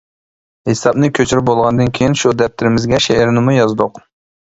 ھېسابنى كۆچۈرۈپ بولغاندىن كېيىن شۇ دەپتىرىمىزگە شېئىرنىمۇ يازدۇق.